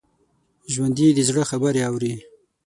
ژوندي د زړه خبرې اوري